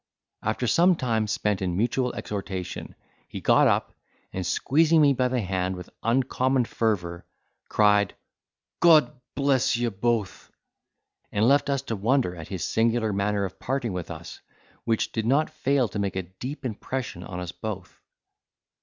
After some time spent in mutual exhortation, he got up, and squeezing me by the hand with uncommon fervour, cried, "God bless you both!" and left us to wonder at his singular manner of parting with us, which did not fail to make a deep impression on us both.